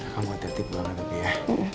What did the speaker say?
kamu hati hati pulang lagi ya